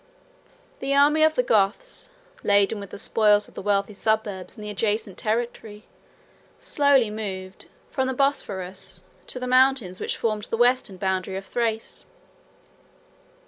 97 The army of the Goths, laden with the spoils of the wealthy suburbs and the adjacent territory, slowly moved, from the Bosphorus, to the mountains which form the western boundary of Thrace.